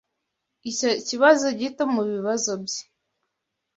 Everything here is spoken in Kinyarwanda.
Nicyo kibazo gito mubibazo bye